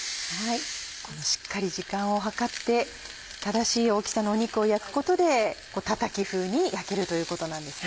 しっかり時間を計って正しい大きさの肉を焼くことでたたき風に焼けるということなんですね。